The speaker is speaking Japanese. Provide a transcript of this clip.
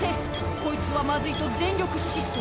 こいつはまずい！と全力疾走